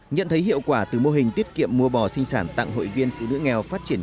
nhận thấy hiệu quả từ mô hình tiết kiệm mua bò sinh sản tặng hội viên phụ nữ nghèo phát triển